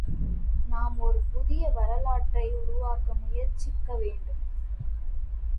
நாம் ஒரு புதிய வரலாற்றை உருவாக்க முயற்சிக்க வேண்டும்.